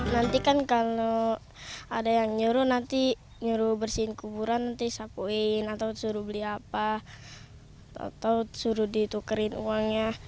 nanti kan kalau ada yang nyuruh nanti nyuruh bersihin kuburan nanti sapuin atau suruh beli apa atau suruh ditukarin uangnya